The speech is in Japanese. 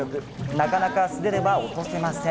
なかなか素手では落とせません。